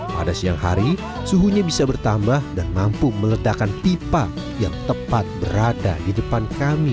pada siang hari suhunya bisa bertambah dan mampu meledakan pipa yang tepat berada di depan kami